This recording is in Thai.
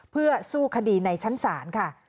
เพื่อสู้คดีในชั้นศาลค่ะ